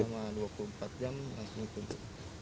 jadi selama dua puluh empat jam langsung ditutup